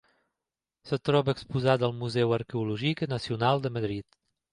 Es troba exposada al Museu Arqueològic Nacional de Madrid.